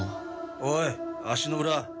おい足の裏！